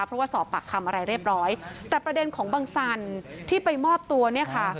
เพราะว่าสอบปากคำอะไรเรียบร้อยแต่ประเด็นของบังสันที่ไปมอบตัวเนี่ยค่ะ